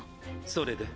それで？